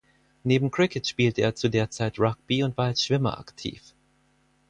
Neben Cricket spielte er zu der Zeit Rugby und war als Schwimmer aktiv.